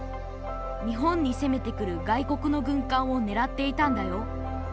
日本に攻めてくる外国の軍艦をねらっていたんだよ。